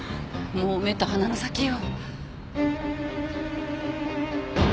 もう目と鼻の先よ。